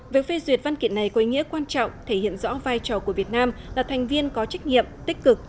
việc phê duyệt văn kiện này có ý nghĩa quan trọng thể hiện rõ vai trò của việt nam là thành viên có trách nhiệm tích cực